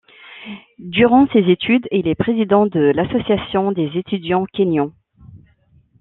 Durant ses études il est président de l'Association des étudiants kényans.